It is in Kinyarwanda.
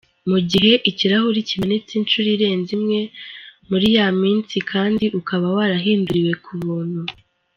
Mugihe ikirahuri kimenetse inshuro irenze imwe muri ya minsi kandi ukaba warahinduriwe k’ubuntu .